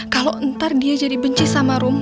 kalo ntar dia jadi benci sama rum